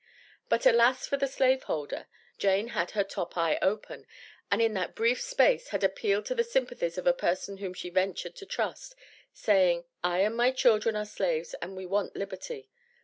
But, alas, for the slave holder! Jane had her "top eye open," and in that brief space had appealed to the sympathies of a person whom she ventured to trust, saying, "I and my children are slaves, and we want liberty!"